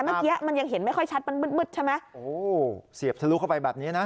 เมื่อกี้มันยังเห็นไม่ค่อยชัดมันมืดมืดใช่ไหมโอ้โหเสียบทะลุเข้าไปแบบนี้นะ